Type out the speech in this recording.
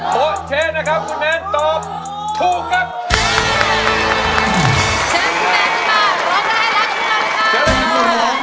โป๊ะเชะนะครับคุณแมนตอบถูกครับ